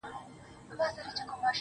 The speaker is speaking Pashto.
o بس ده ه د غزل الف و با مي کړه.